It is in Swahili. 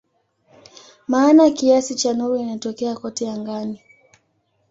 Maana kiasi cha nuru inatokea kote angani.